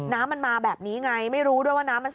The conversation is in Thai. น้ำมันมาแบบนี้ไงไม่รู้ด้วยว่าน้ำมัน